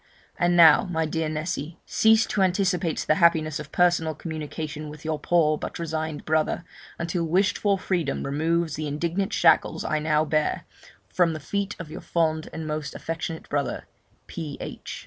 'And now, my dear Nessy, cease to anticipate the happiness of personal communication with your poor, but resigned brother, until wished for freedom removes the indignant shackles I now bear, from the feet of your fond and most affectionate brother, P.H.'